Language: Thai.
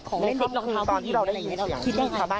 นางนาคะนี่คือยายน้องจีน่าคุณยายถ้าแท้เลย